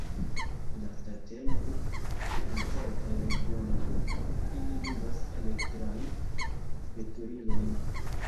Lastatempe en certaj regionoj ili uzas elektrajn veturilojn.